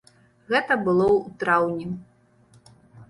Гэта было ў траўні.